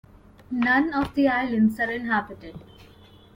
None of the islands are inhabited.